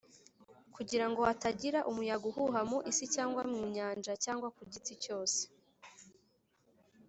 kugira ngo hatagira umuyaga uhuha mu isi cyangwa mu nyanja cyangwa ku giti cyose.